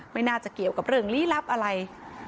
ไม่น่าจะเกี่ยวกับเรื่องลี้ลับอะไร